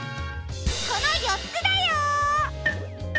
この４つだよ！